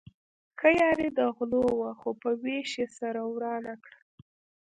ښه یاري د غلو وه خو په وېش يې سره ورانه کړه.